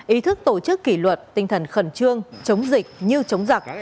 ý thức tổ chức kỷ luật tinh thần khẩn trương chống dịch như chống giặc